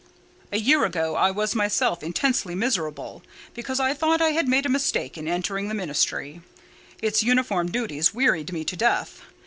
"A year ago I was myself intensely miserable, because I thought I had made a mistake in entering the ministry: its uniform duties wearied me to death.